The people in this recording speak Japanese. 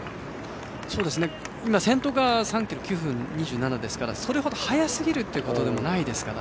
先頭が３ｋｍ、９分２７ですからそれほど速すぎるということでもないですから。